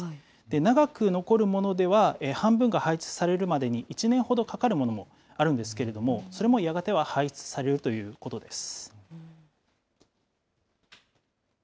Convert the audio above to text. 長く残るものでは、半分が排出されるまでに１年ほどかかるものもあるんですけれども、それもやがては排出されるということです。